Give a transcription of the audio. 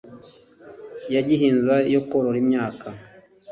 ya gihinza yo korora imyaka.